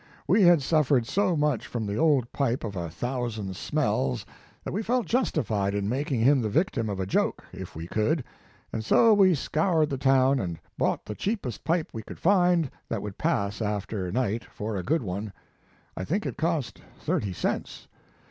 \Ve had suffered so much from the old pipe of a thousand smells that we felt justified in making him the victim of a joke, if we could, and so we scoured the town and bought the cheapest pipe we could find that would pass after night for a good one. I think it cost thirty cents.